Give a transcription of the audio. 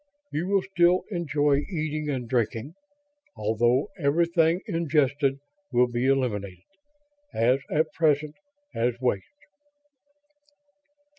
You will still enjoy eating and drinking, although everything ingested will be eliminated, as at present, as waste."